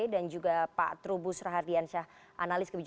dan terhubung dan juga agus syadhati